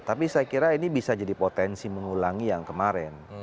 tapi saya kira ini bisa jadi potensi mengulangi yang kemarin